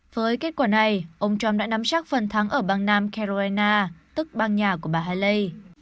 với kết quả này ông trump đã nắm chắc phần thắng ở bang nam carolina tức bang nhà của bà haley